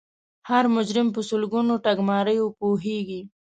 هر مجرم په سلګونو ټګماریو پوهیږي